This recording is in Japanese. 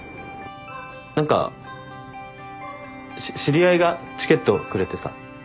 何かし知り合いがチケットくれてさ。